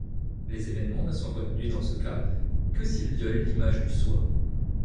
Les événements ne sont retenus dans ce cas que s'ils violent l'image du soi.